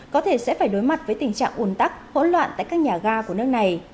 có thể sẽ phải đối mặt với tình trạng ủn tắc hỗn loạn tại các nhà ga của nước này